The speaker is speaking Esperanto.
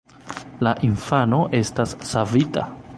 La infano estas savita.